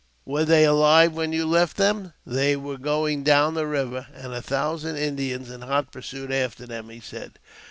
Were they alive when you left them?" " They were going down the river, and a thousand Indians in hot pursuit after them," he said.